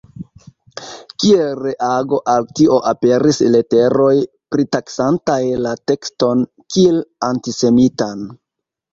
Kiel reago al tio aperis leteroj pritaksantaj la tekston kiel antisemitan.